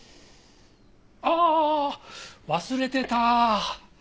ああー忘れてた！